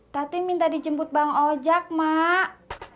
tatim minta dijemput bang ojak mak